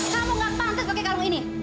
kamu nggak pantes pakai karung ini